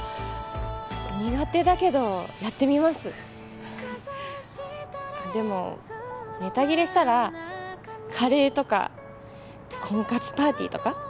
苦手だけどやってみますでもネタ切れしたらカレーとか婚活パーティーとか？